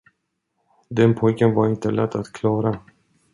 Den pojken var inte lätt att klara.